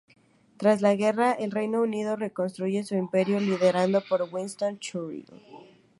Tras la guerra, el Reino Unido reconstruye su imperio, liderado por Winston Churchill.